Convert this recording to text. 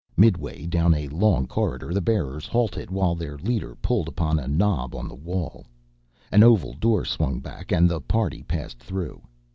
Midway down a long corridor the bearers halted while their leader pulled upon a knob on the wall. An oval door swung back and the party passed through.